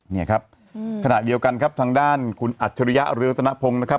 เนี่ยครับขณะเดียวกันครับทางด้านคุณอัจฉริยะเรืองรัตนพงศ์นะครับ